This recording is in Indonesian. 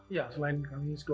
iya selain kami sekolah